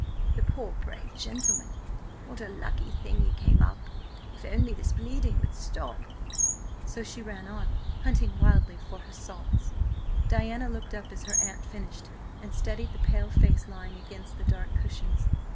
The poor, brave gentleman! What a lucky thing he came up! If only this bleeding would stop!" So she ran on, hunting wildly for her salts. Diana looked up as her aunt finished, and studied the pale face lying against the dark cushions.